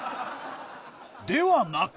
ではなく。